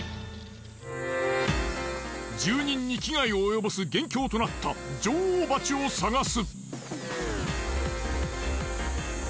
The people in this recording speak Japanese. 住人に危害を及ぼす元凶となった女王蜂を探す。